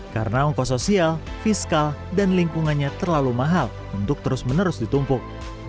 karena ongkos sosial fiskal dan lingkungannya terlalu mahal untuk terus menerus ditumpuk